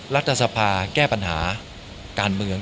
รัฐสภาแก้ปัญหาการเมือง